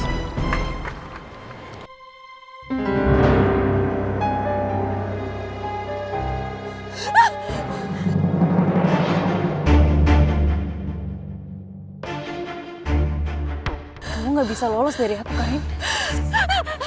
kamu gak bisa lolos dari hati karim